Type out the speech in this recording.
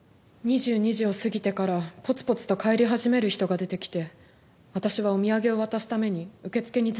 ２２時を過ぎてからぽつぽつと帰り始める人が出てきて私はお土産を渡すために受付にずっといたんです。